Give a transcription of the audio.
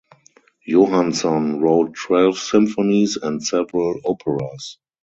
Johanson wrote twelve symphonies and several operas.